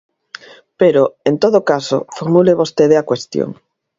Pero, en todo caso, formule vostede a cuestión.